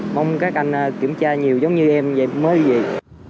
mong các anh kiểm tra nhiều giống như em mới vậy